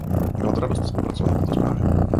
Byla to radost spolupracovat na této zprávě.